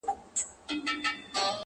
• نو پیغام تر ښکلا مهم دی ,